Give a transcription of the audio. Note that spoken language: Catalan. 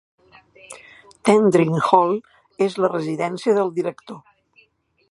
Tendring Hall és la residència del director.